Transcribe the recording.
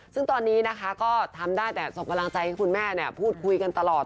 ซึ่งตอนนี้นะคะก็ทำได้แต่ส่งกำลังใจให้คุณแม่พูดคุยกันตลอด